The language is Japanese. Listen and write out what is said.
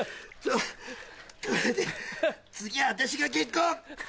これで次は私が結婚！